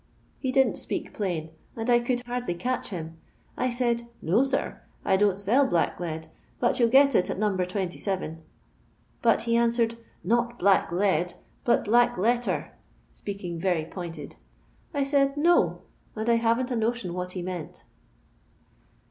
He didn't speak plain, and I could hardly catch him. I said, ' No, sir, I don't sell black load, but you '11 get it at No. *27,' but ho answered, ' Not black load, but black letter,' sp'. aking very pointed. I said, 'No,' and I haven't a notion what he meant.